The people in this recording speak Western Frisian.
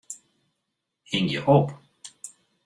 Hingje op.